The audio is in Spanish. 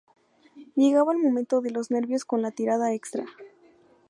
Llegaba el momento de los nervios con la tirada extra.